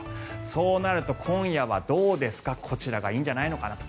そうなると今夜はどうですかこちらがいいんじゃないのかなと。